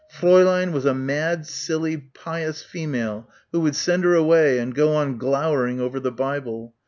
Fräulein was a mad, silly, pious female who would send her away and go on glowering over the Bible.